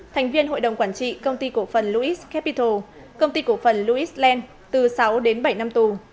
thành viên hội đồng quản trị công ty cổ phần louis capital công ty cổ phần louis land từ sáu đến bảy năm tù